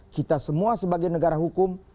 kita semua sebagai negara hukum